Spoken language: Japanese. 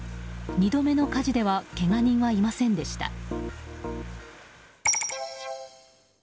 ２度目の火事ではけが人はいませんでした。